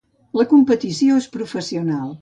La competició és professional.